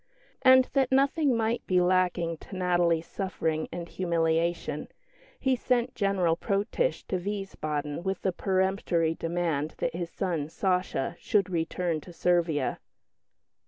And that nothing might be lacking to Natalie's suffering and humiliation, he sent General Protitsch to Wiesbaden with a peremptory demand that his son, "Sacha," should return to Servia.